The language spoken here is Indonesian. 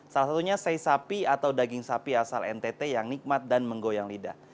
salah satunya sei sapi atau daging sapi asal ntt yang nikmat dan menggoyang lidah